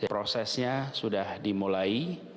prosesnya sudah dimulai